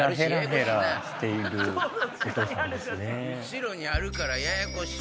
後ろにあるからややこしい。